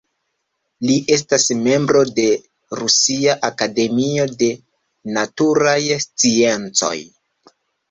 Li estas membro de Rusia Akademio de Naturaj Sciencoj.